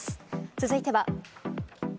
続いては。